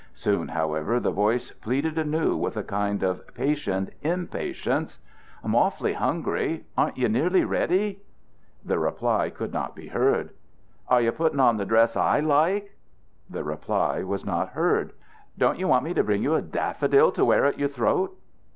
Soon, however, the voice pleaded anew with a kind of patient impatience: "I'm awfully hungry. Aren't you nearly ready?" The reply could not be heard. "Are you putting on the dress I like?" The reply was not heard. "Don't you want me to bring you a daffodil to wear at your throat?"